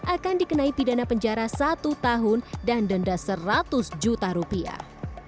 akan dikenai pidana penjara satu tahun dan denda seratus juta rupiah